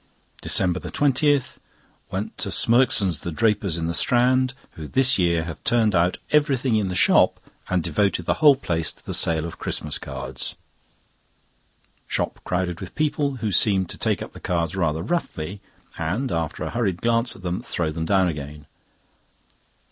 DECEMBER 20.—Went to Smirksons', the drapers, in the Strand, who this year have turned out everything in the shop and devoted the whole place to the sale of Christmas cards. Shop crowded with people, who seemed to take up the cards rather roughly, and, after a hurried glance at them, throw them down again.